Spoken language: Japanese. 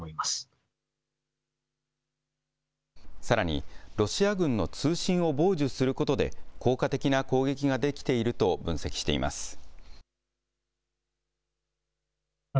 さらにロシア軍の通信を傍受することで効果的な攻撃ができていると分析しています。